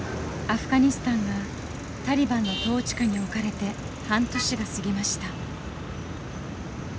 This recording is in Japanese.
アフガニスタンがタリバンの統治下に置かれて半年が過ぎました。